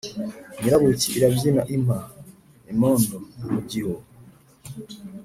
Nyirabuki irabyina impa.-Imondo mu gihu.